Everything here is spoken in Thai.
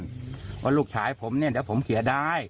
เพราะลูกชายผมเนี่ยเดี๋ยวผมเสียดาย